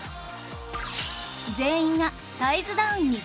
全員がサイズダウンに成功